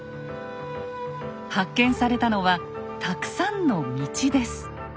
発見されたのはたくさんの「道」です。